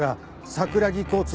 桜木交通。